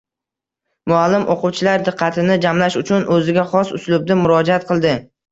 Muallim o‘quvchilar diqqatini jamlash uchun o‘ziga xos uslubda murojaat qildi: